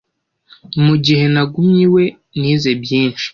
mugihe nagumye iwe nize byinshi